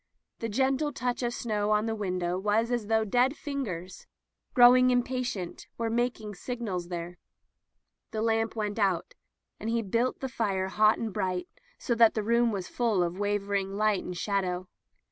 The gende touch of snow on the window was as though dead fingers, growing impatient, were mak ing signals there. The lamp went out, and he built the fire hot and bright, so that the room was full of wavering light and shadow.